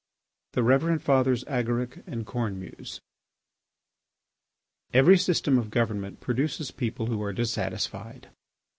THE REVEREND FATHERS AGARIC AND CORNEMUSE Every system of government produces people who are dissatisfied.